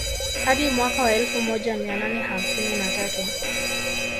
Hadi mwaka wa elfu moja mia nane hamsini na tatu